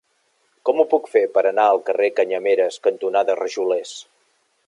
Com ho puc fer per anar al carrer Canyameres cantonada Rajolers?